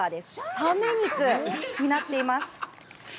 サメ肉になっています。